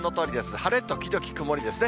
晴れ時々曇りですね。